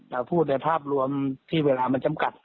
เราพูดในภาพรวมที่เวลามันจำกัด